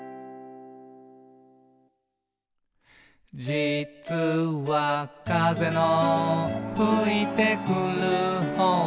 「じつは、風のふいてくる方を」